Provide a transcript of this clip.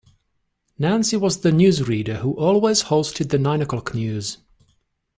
Nancy was the newsreader who always hosted the nine o'clock news